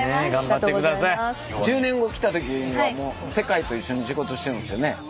１０年後来た時にはもう世界と一緒に仕事してるんですよね？